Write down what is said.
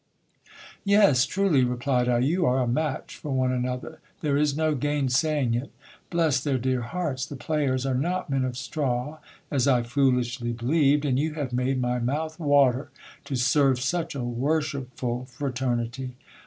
Yes, truly, replied I, you are a match for one another, there is no gainsaying it. Bless their dear hearts ! the players are not men of straw, as I foolishly believed, and you have made my mouth water to serve such a worshipful fraternity.